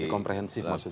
komprehensif maksudnya pak